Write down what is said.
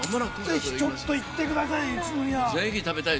ぜひ、ちょっといってください。